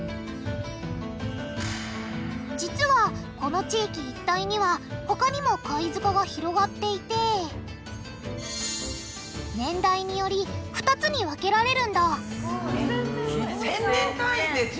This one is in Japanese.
実はこの地域一帯には他にも貝塚が広がっていて年代により２つに分けられるんだ１０００年単位で違うんだ。